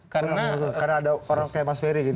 karena ada orang kayak mas ferry gitu